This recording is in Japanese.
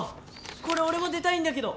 これ俺も出たいんだけど！